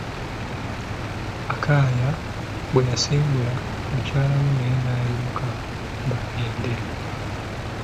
Akaya bwe yasiibula, mukyala we naye n'ayimuka bagende.